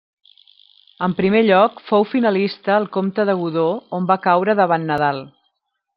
En primer lloc fou finalista al Comte de Godó, on va caure davant Nadal.